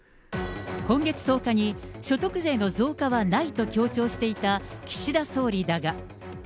今月１０日に、所得税の増加はないと強調していた岸田総理だが。